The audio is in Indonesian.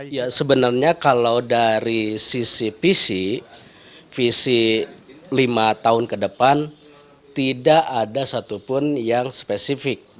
ya sebenarnya kalau dari sisi visi visi lima tahun ke depan tidak ada satupun yang spesifik